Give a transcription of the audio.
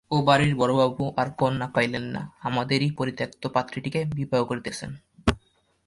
ও বাড়িরবড়োবাবু আর কন্যা পাইলেন না, আমাদেরই পরিত্যক্ত পাত্রীটিকে বিবাহ করিতেছেন।